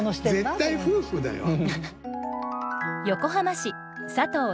絶対夫婦だよ。